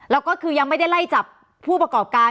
แล้วก็คือยังไม่ได้ไล่จับผู้ประกอบการ